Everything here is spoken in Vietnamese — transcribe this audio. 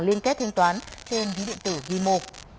liên kết thanh toán trên ví điện tử vimo